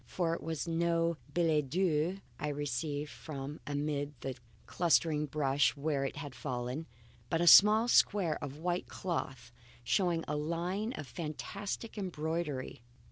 For it was no billet doux I received from amid the clustering brush where it had fallen; but a small square of white cloth showing a line of fantastic embroidery.